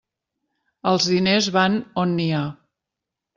Els diners van on n'hi ha.